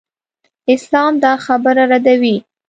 اسلام دا خبره ردوي.